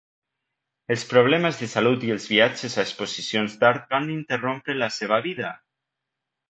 Els problemes de salud i els viatges a exposicions d'art van interrompre la seva vida.